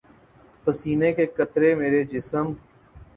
پسینے کے قطرے میرے جسم